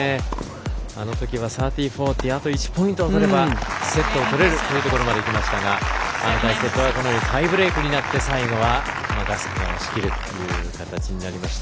あのときは３０−４０あと１ポイント取ればセットを取れるところまでいきましたがタイブレークになって最後はガスケが押し切るという形になりました。